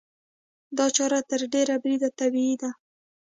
دا چاره تر ډېره بریده طبیعي ده.